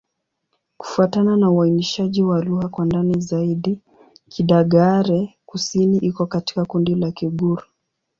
Kufuatana na uainishaji wa lugha kwa ndani zaidi, Kidagaare-Kusini iko katika kundi la Kigur.